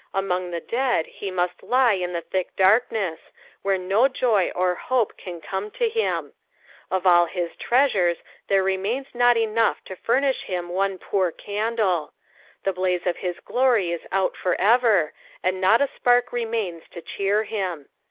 Among the dead he must 1m in the thick darkness, where no joy or hope can come to him. Of all his treaanres there remains not enough to furnish him one poor candle \ the hlaie 27 418 EXPOSITIONS OF THE PaA.LMS. o( his glory la out for ever, and not ft spark remfting to cheer him.